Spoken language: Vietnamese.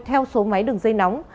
theo số máy đường dây nóng